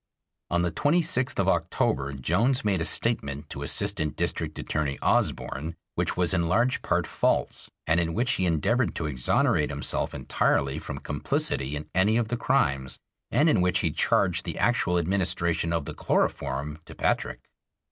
On the 26th of October Jones made a statement to Assistant District Attorney Osborne which was in large part false, and in which he endeavored to exonerate himself entirely from complicity in any of the crimes, and in which he charged the actual administration of the chloroform to Patrick.